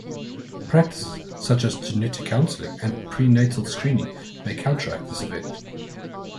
Practices such as genetic counselling and prenatal screening may counteract this effect.